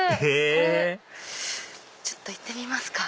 へぇちょっと行ってみますか。